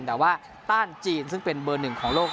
แต่ว่าต้านจีนซึ่งเป็นเบอร์หนึ่งของโลก